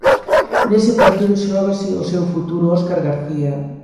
Nese partido xógase o seu futuro Óscar García.